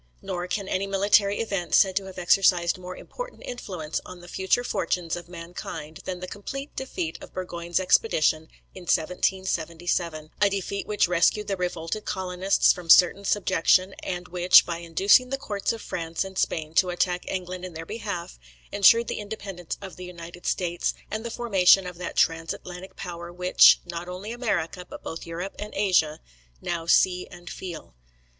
Nor can any military event be said to have exercised more important influence on the future fortunes of mankind, than the complete defeat of Burgoyne's expedition in 1777; a defeat which rescued the revolted colonists from certain subjection; and which, by inducing the courts of France and Spain to attack England in their behalf, ensured the independence of the United States, and the formation of that trans Atlantic power which, not only America, but both Europe and Asia, now see and feel.